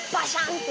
って